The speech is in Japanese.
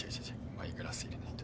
マイグラス入れないと。